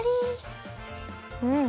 うん！